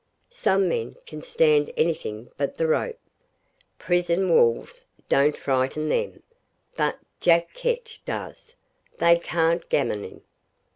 Some men can stand anything but the rope. Prison walls don't frighten them; but Jack Ketch does. They can't gammon him.